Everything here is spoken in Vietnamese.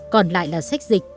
còn lại là sách dịch